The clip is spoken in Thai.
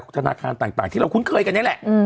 ธนาคารต่างที่เราคุ้นเคยกันนี่แหละ